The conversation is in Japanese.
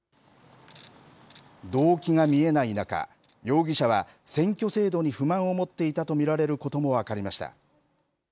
動機が見えない中、容疑者は、選挙制度に不満を持っていたと見られることも分かりました。